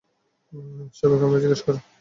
সবাই আমাকে জিগ্গেস করে।